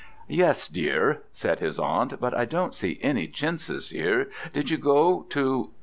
"Yes, dear," said his aunt, "but I don't see any chintzes here. Did you go to